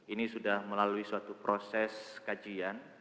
ini sudah melalui suatu proses kajian